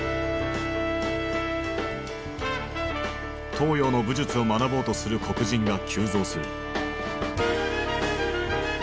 東洋の武術を学ぼうとする黒人が急増する。